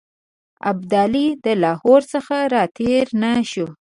ابدالي د لاهور څخه را تېر نه شو.